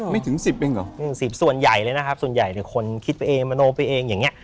ไม่ถึงสิบเองหรอไม่ถึงสิบส่วนใหญ่เลยนะครับส่วนใหญ่คนคิดไปเองมโนไปเองอย่างเนี่ย